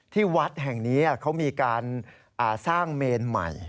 ที่วัดแห่งนี้เขามีการสร้างเมนใหม่